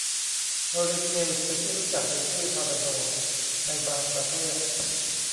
เฮอริเคน เป็นที่รู้จักในชื่อ ทอร์นาโด ในบางประเทศ